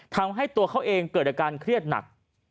ทำให้ตัวเขาเองเกิดอาการเครียดหนัก